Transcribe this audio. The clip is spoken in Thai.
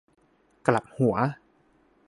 กลับหัว